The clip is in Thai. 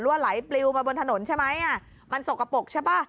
ว่าไหลปลิวมาบนถนนใช่ไหมอ่ะมันสกปรกใช่ป่ะ